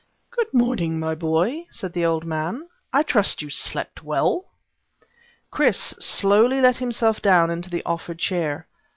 "Good morning, my boy," said the old man. "I trust you slept well?" Chris slowly let himself down into the offered chair.